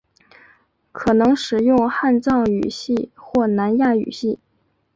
可能使用汉藏语系或南亚语系。